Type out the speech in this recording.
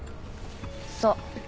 そう。